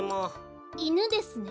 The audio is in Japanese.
いぬですね。